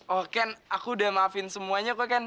oh ken aku udah maafin semuanya kok ken